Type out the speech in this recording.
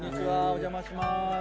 お邪魔しまーす。